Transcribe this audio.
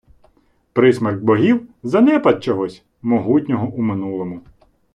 Присмерк богів - занепад чогось, могутнього у минулому